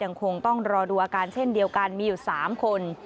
คงต้องรอดูอาการเช่นเดียวกันมีอยู่๓คน